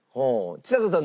ちさ子さん